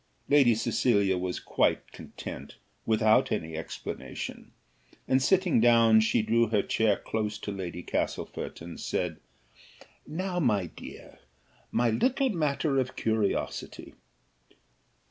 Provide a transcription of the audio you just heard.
Lady Cecilia was quite content, without any explanation; and sitting down, she drew her chair close to Lady Castlefort, and said, "Now, my dear, my little matter of curiosity."